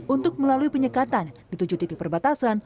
untuk melalui penyekatan di tujuh titik perbatasan